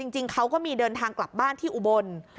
จริงเขาก็มีเดินทางกลับบ้านที่อุบล